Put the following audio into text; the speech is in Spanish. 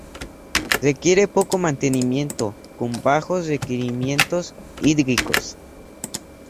Requiere poco mantenimiento, con bajos requerimientos hídricos.